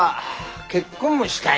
結婚もしたい？